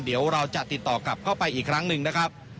เดี๋ยวเราจะติดต่อกลับเข้าไปอีกครั้งหนึ่งนะครับ